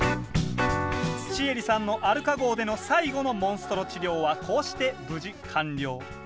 シエリさんのアルカ号での最後のモンストロ治療はこうして無事完了。